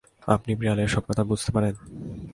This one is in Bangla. আপনি বিড়ালের সব কথা বুঝতে পারেন।